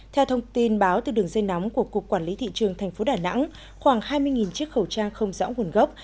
theo thông tin báo từ đường dây nóng của cục quản lý thị trường tp đà nẵng khoảng hai mươi chiếc khẩu trang không rõ nguồn gốc